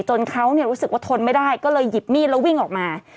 จนเขารู้สึกว่าทนไม่ได้ก็เลยหยิบมีดแล้ววิ่งออกมา